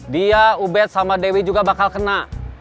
dia ubed sama dewi juga bakal kena